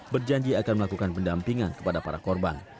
berjanji akan melakukan pendampingan kepada para korban